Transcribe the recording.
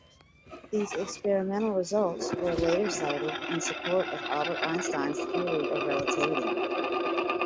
These experimental results were later cited in support of Albert Einstein's theory of relativity.